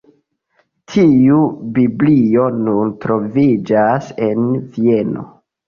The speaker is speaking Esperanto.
Tiu Biblio nun troviĝas en Vieno.